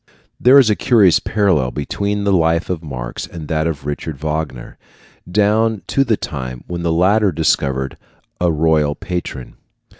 There is a curious parallel between the life of Marx and that of Richard Wagner down to the time when the latter discovered a royal patron.